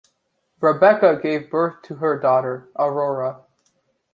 Rebecca gave birth to her daughter, Aurora.